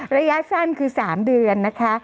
ระยะสั้นคือ๓เดือนนะคะ